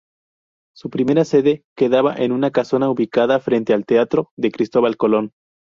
Su primera sede quedaba en una casona ubicada frente al Teatro de Cristóbal Colón.